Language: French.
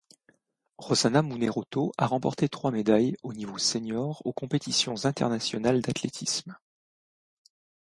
Rosanna Munerotto a remporté trois médailles, au niveau senior, aux compétitions internationales d'athlétisme.